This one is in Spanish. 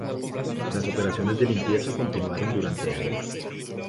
Las operaciones de limpieza continuaron durante años.